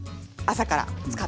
朝から。